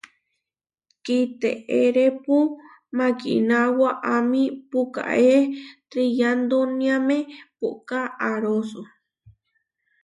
Kiteérepu mákina waʼámi puʼkáe triyandóniame puʼká aaróso.